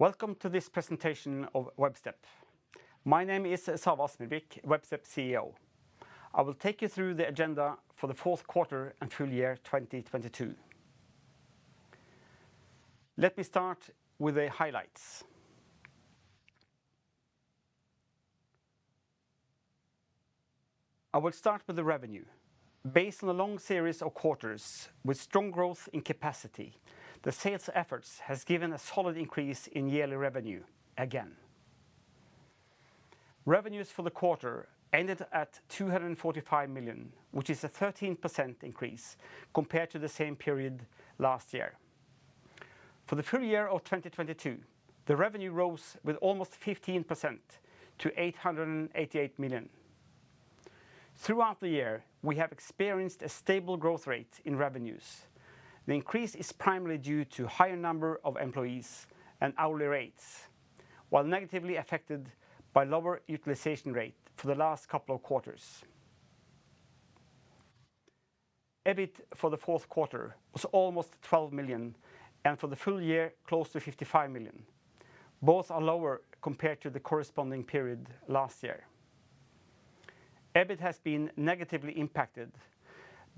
Welcome to this presentation of Webstep. My name is Save Asmervik, Webstep CEO. I will take you through the agenda for the Fourth Quarter and Full Year 2022. Let me start with the highlights. I will start with the revenue. Based on a long series of quarters with strong growth in capacity, the sales efforts has given a solid increase in yearly revenue again. Revenues for the quarter ended at 245 million, which is a 13% increase compared to the same period last year. For the full year of 2022, the revenue rose with almost 15% to 888 million. Throughout the year, we have experienced a stable growth rate in revenues. The increase is primarily due to higher number of employees and hourly rates, while negatively affected by lower utilization rate for the last couple of quarters. EBIT for the fourth quarter was almost 12 million and for the full year, close to 55 million. Both are lower compared to the corresponding period last year. EBIT has been negatively impacted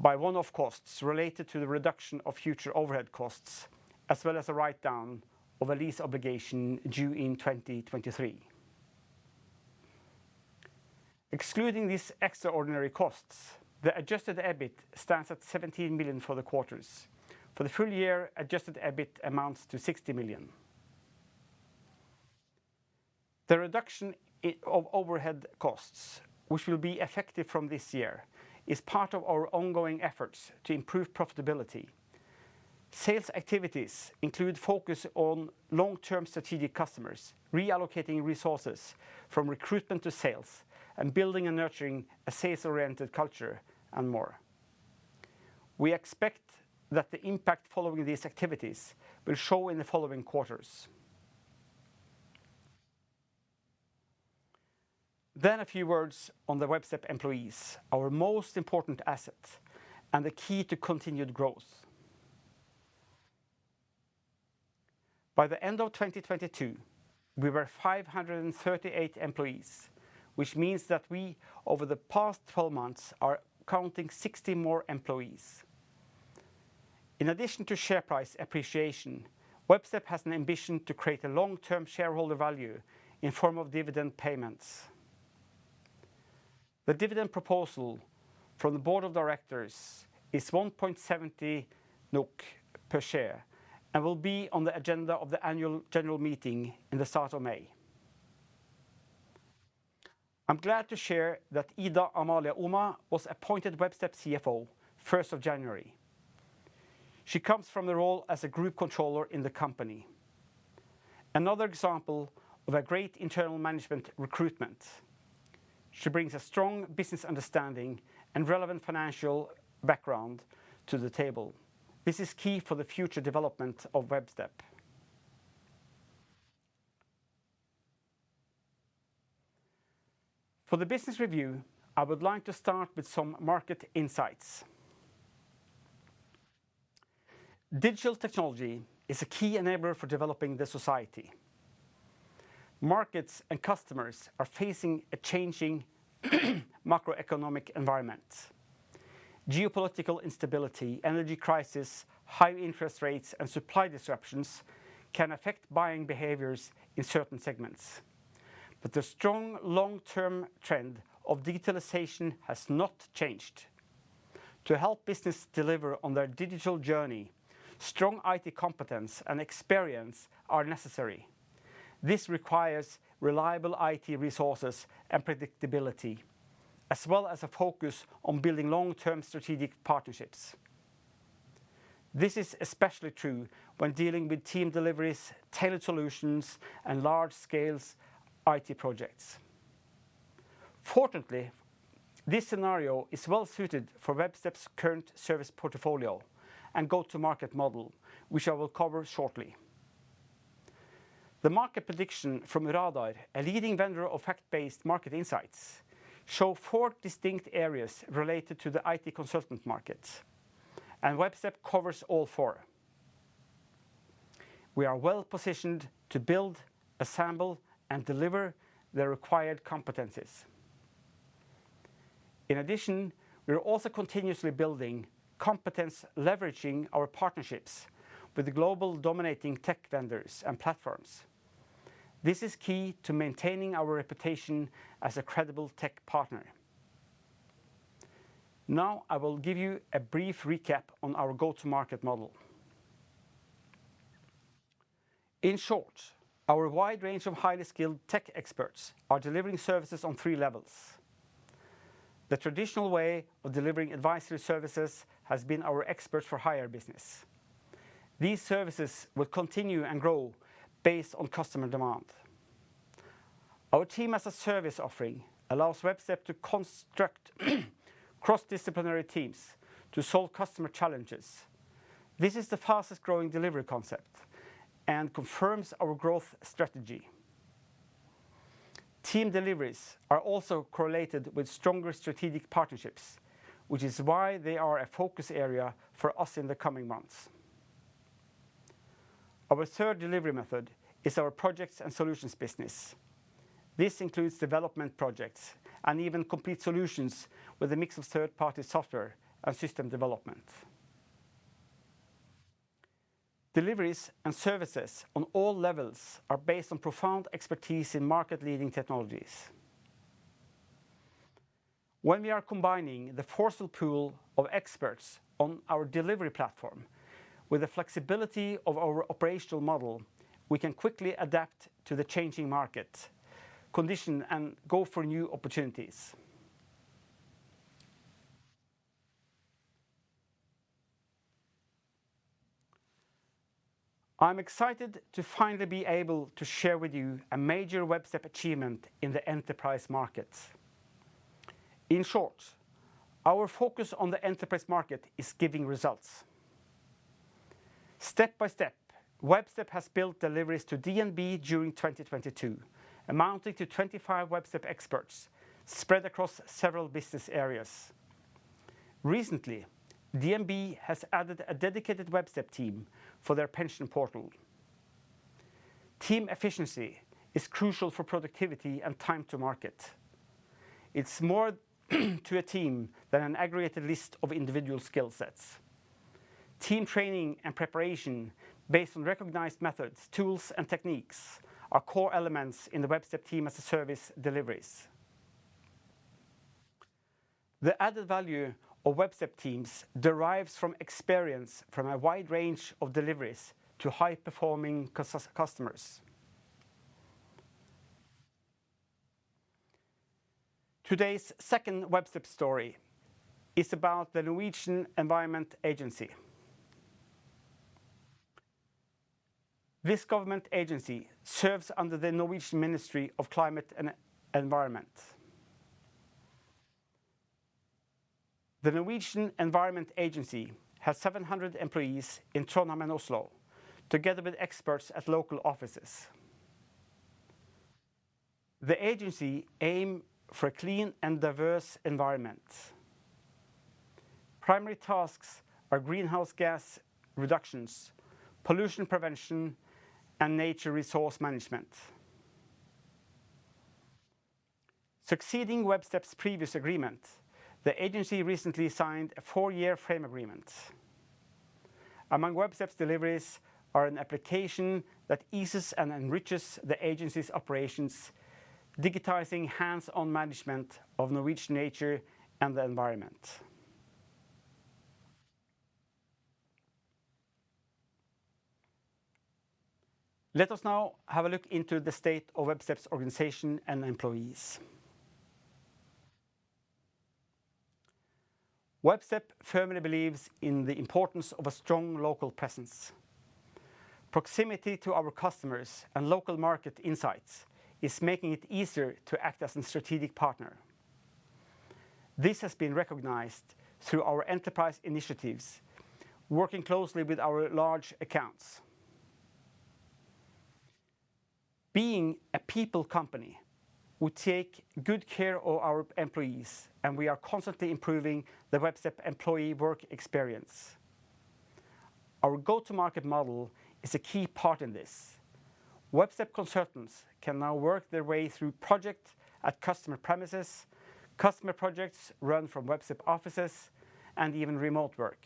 by one-off costs related to the reduction of future overhead costs, as well as a write down of a lease obligation due in 2023. Excluding these extraordinary costs, the Adjusted EBIT stands at 17 million for the quarters. For the full year, Adjusted EBIT amounts to 60 million. The reduction of overhead costs, which will be effective from this year, is part of our ongoing efforts to improve profitability. Sales activities include focus on long-term strategic customers, reallocating resources from recruitment to sales, and building and nurturing a sales-oriented culture and more. We expect that the impact following these activities will show in the following quarters. A few words on the Webstep employees, our most important asset and the key to continued growth. By the end of 2022, we were 538 employees, which means that we, over the past 12 months, are counting 60 more employees. In addition to share price appreciation, Webstep has an ambition to create a long-term shareholder value in form of dividend payments. The dividend proposal from the board of directors is 1.70 NOK per share and will be on the agenda of the annual general meeting in the start of May. I'm glad to share that Ida Amalie Oma was appointed Webstep CFO, 1st of January. She comes from the role as a group controller in the company. Another example of a great internal management recruitment. She brings a strong business understanding and relevant financial background to the table. This is key for the future development of Webstep. For the business review, I would like to start with some market insights. Digital technology is a key enabler for developing the society. Markets and customers are facing a changing macroeconomic environment. Geopolitical instability, energy crisis, high interest rates, and supply disruptions can affect buying behaviors in certain segments. The strong long-term trend of digitalization has not changed. To help business deliver on their digital journey, strong IT competence and experience are necessary. This requires reliable IT resources and predictability, as well as a focus on building long-term strategic partnerships. This is especially true when dealing with team deliveries, tailored solutions, and large scales IT projects. Fortunately, this scenario is well suited for Webstep's current service portfolio and go-to-market model, which I will cover shortly. The market prediction from Radar, a leading vendor of fact-based market insights, show four distinct areas related to the IT consultant markets, and Webstep covers all four. We are well-positioned to build, assemble, and deliver the required competencies. In addition, we are also continuously building competence, leveraging our partnerships with the global dominating tech vendors and platforms. This is key to maintaining our reputation as a credible tech partner. Now, I will give you a brief recap on our go-to-market model. In short, our wide range of highly skilled tech experts are delivering services on three levels. The traditional way of delivering advisory services has been our Experts-for-hire business. These services will continue and grow based on customer demand. Our Team-as-a-Service offering allows Webstep to construct cross-disciplinary teams to solve customer challenges. This is the fastest growing delivery concept and confirms our growth strategy. Team deliveries are also correlated with stronger strategic partnerships, which is why they are a focus area for us in the coming months. Our third delivery method is our projects and solutions business. This includes development projects and even complete solutions with a mix of third-party software and system development. Deliveries and services on all levels are based on profound expertise in market-leading technologies. When we are combining the forceful pool of experts on our delivery platform with the flexibility of our operational model, we can quickly adapt to the changing market condition and go for new opportunities. I'm excited to finally be able to share with you a major Webstep achievement in the enterprise market. In short, our focus on the enterprise market is giving results. Step by step, Webstep has built deliveries to DNB during 2022, amounting to 25 Webstep experts spread across several business areas. Recently, DNB has added a dedicated Webstep team for their pension portal. Team efficiency is crucial for productivity and time to market. It's more to a team than an aggregated list of individual skill sets. Team training and preparation based on recognized methods, tools, and techniques are core elements in the Webstep Team-as-a-Service deliveries. The added value of Webstep teams derives from experience from a wide range of deliveries to high-performing customers. Today's second Webstep story is about the Norwegian Environment Agency. This government agency serves under the Norwegian Ministry of Climate and Environment. The Norwegian Environment Agency has 700 employees in Trondheim and Oslo, together with experts at local offices. The agency aim for a clean and diverse environment. Primary tasks are greenhouse gas reductions, pollution prevention, and nature resource management. Succeeding Webstep's previous agreement, the agency recently signed a four-year frame agreement. Among Webstep's deliveries are an application that eases and enriches the agency's operations, digitizing hands-on management of Norwegian nature and the environment. Let us now have a look into the state of Webstep's organization and employees. Webstep firmly believes in the importance of a strong local presence. Proximity to our customers and local market insights is making it easier to act as a strategic partner. This has been recognized through our enterprise initiatives, working closely with our large accounts. Being a people company, we take good care of our employees, and we are constantly improving the Webstep employee work experience. Our go-to-market model is a key part in this. Webstep consultants can now work their way through project at customer premises, customer projects run from Webstep offices, and even remote work.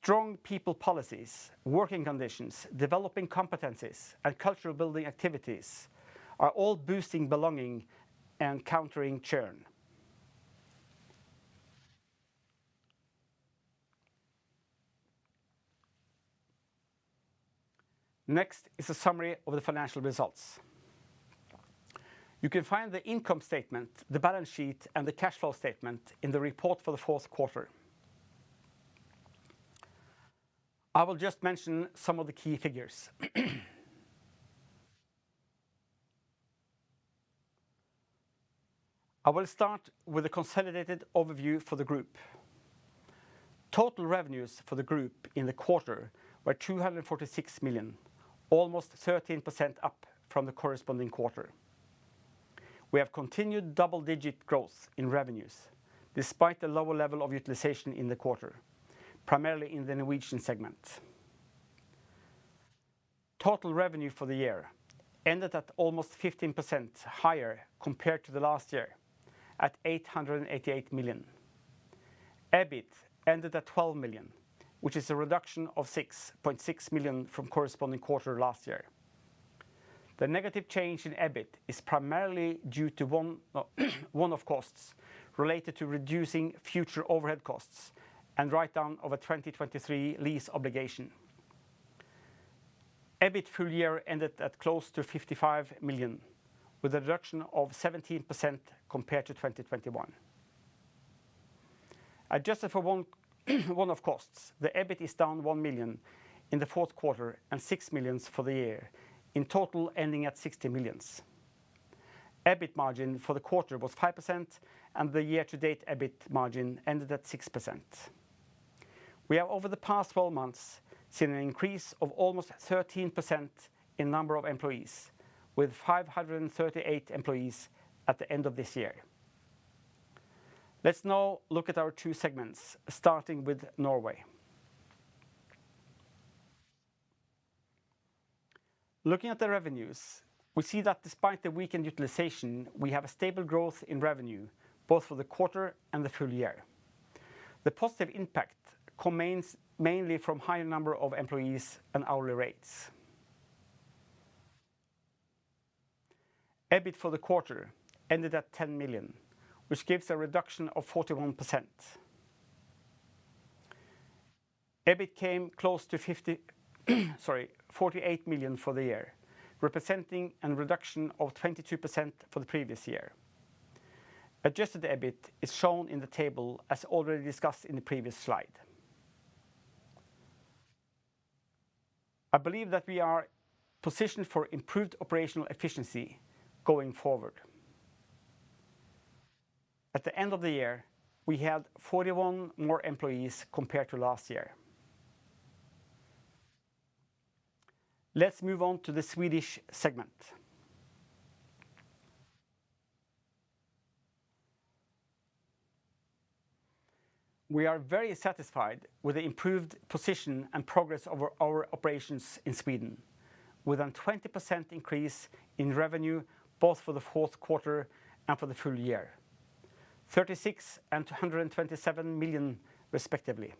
Strong people policies, working conditions, developing competencies, and cultural building activities are all boosting belonging and countering churn. Next is a summary of the financial results. You can find the income statement, the balance sheet, and the cash flow statement in the report for the fourth quarter. I will just mention some of the key figures. I will start with a consolidated overview for the group. Total revenues for the group in the quarter were 246 million, almost 13% up from the corresponding quarter. We have continued double-digit growth in revenues despite the lower level of utilization in the quarter, primarily in the Norwegian segment. Total revenue for the year ended at almost 15% higher compared to the last year at 888 million. EBIT ended at 12 million, which is a reduction of 6.6 million from corresponding quarter last year. The negative change in EBIT is primarily due to one-off costs related to reducing future overhead costs and write-down of a 2023 lease obligation. EBIT full year ended at close to 55 million, with a reduction of 17% compared to 2021. Adjusted for one-off costs, the EBIT is down 1 million in the fourth quarter and 6 millions for the year, in total ending at 60 millions. EBIT margin for the quarter was 5% and the year-to-date EBIT margin ended at 6%. We have, over the past 12 months, seen an increase of almost 13% in number of employees, with 538 employees at the end of this year. Let's now look at our two segments, starting with Norway. Looking at the revenues, we see that despite the weakened utilization, we have a stable growth in revenue, both for the quarter and the full year. The positive impact comes mainly from higher number of employees and hourly rates. EBIT for the quarter ended at 10 million, which gives a reduction of 41%. EBIT came close to 48 million for the year, representing an reduction of 22% for the previous year. Adjusted EBIT is shown in the table as already discussed in the previous slide. I believe that we are positioned for improved operational efficiency going forward. At the end of the year, we had 41 more employees compared to last year. Let's move on to the Swedish segment. We are very satisfied with the improved position and progress of our operations in Sweden, with a 20% increase in revenue both for the fourth quarter and for the full year, 36 million and 227 million respectively.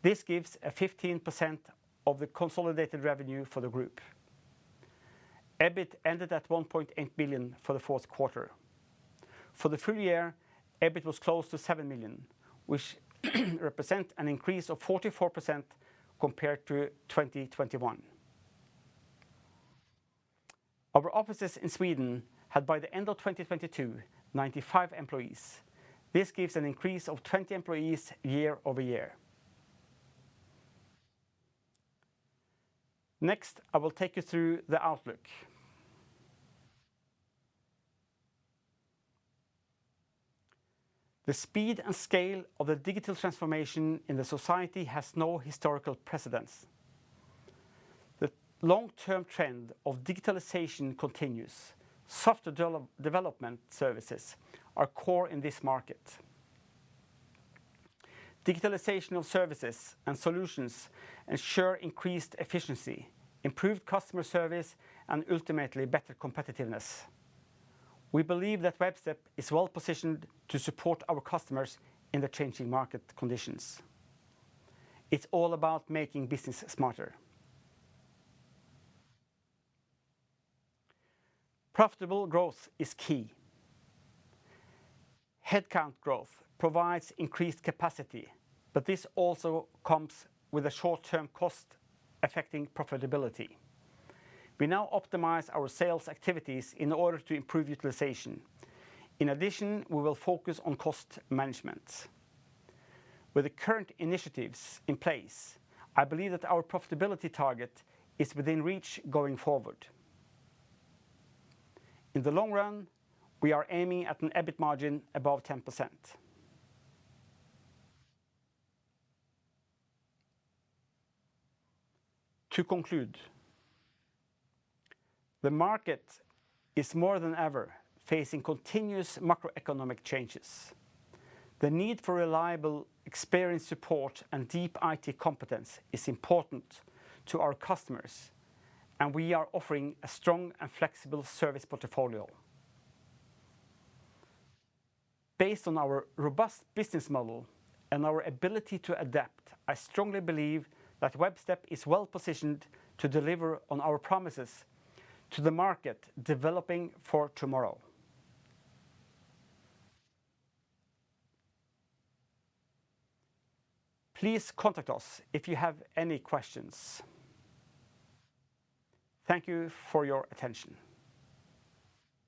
This gives a 15% of the consolidated revenue for the group. EBIT ended at 1.8 million for the fourth quarter. For the full year, EBIT was close to 7 million, which represent an increase of 44% compared to 2021. Our offices in Sweden had, by the end of 2022, 95 employees. This gives an increase of 20 employees year-over-year. I will take you through the outlook. The speed and scale of the digital transformation in the society has no historical precedence. The long-term trend of digitalization continues. Software development services are core in this market. Digitalization services and solutions ensure increased efficiency, improved customer service, and ultimately better competitiveness. We believe that Webstep is well-positioned to support our customers in the changing market conditions. It's all about making business smarter. Profitable growth is key. Headcount growth provides increased capacity, but this also comes with a short-term cost affecting profitability. We now optimize our sales activities in order to improve utilization. In addition, we will focus on cost management. With the current initiatives in place, I believe that our profitability target is within reach going forward. In the long run, we are aiming at an EBIT margin above 10%. To conclude, the market is more than ever facing continuous macroeconomic changes. The need for reliable experience support and deep IT competence is important to our customers. We are offering a strong and flexible service portfolio. Based on our robust business model and our ability to adapt, I strongly believe that Webstep is well-positioned to deliver on our promises to the market developing for tomorrow. Please contact us if you have any questions. Thank you for your attention.